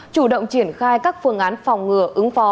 chủ động triển khai các phương án phòng ngựa